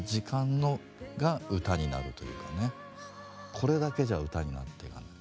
これだけじゃ歌になっていかない。